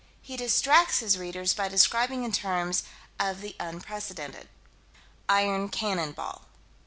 He distracts his readers by describing in terms of the unprecedented "Iron cannon ball."